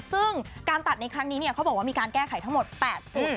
ซึ่งการตัดในครั้งนี้เขาบอกว่ามีการแก้ไขทั้งหมด๘จุด